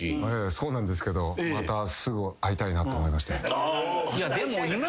そうなんですけどまたすぐ会いたいなって思いました。